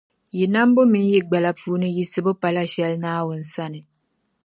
Yi nambu mini yi gbala puuni yiɣisibu pa shɛli Naawuni sani.